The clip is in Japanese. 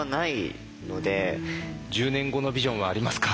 １０年後のビジョンはありますか？